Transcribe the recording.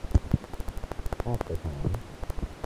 At the time.